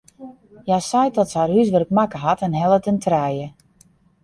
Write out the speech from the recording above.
Hja seit dat se har húswurk makke hat en hellet in trije.